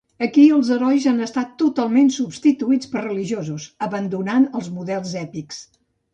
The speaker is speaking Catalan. Aquí els herois han estat totalment substituïts per religiosos, abandonant els models èpics.